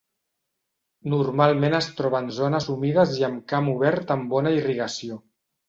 Normalment es troba en zones humides i en camp obert amb bona irrigació.